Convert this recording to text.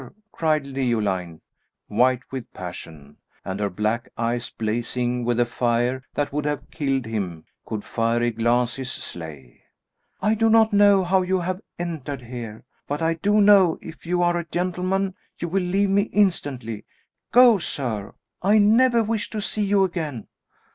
cried Leoline, white with passion, and her black eyes blazing with a fire that would have killed him, could fiery glances slay! "I do not know how you have entered here; but I do know, if you are a gentleman, you will leave me instantly! Go sir! I never wish to see you again!"